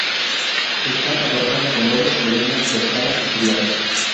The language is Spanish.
Está adornada con dobles columnas toscanas estriadas.